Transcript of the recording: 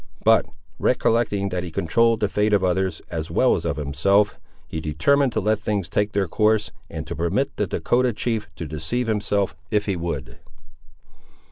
But, recollecting that he controlled the fate of others as well as of himself, he determined to let things take their course, and to permit the Dahcotah chief to deceive himself if he would.